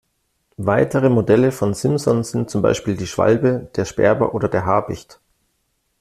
Weitere Modelle von Simson sind zum Beispiel die Schwalbe, der Sperber oder der Habicht.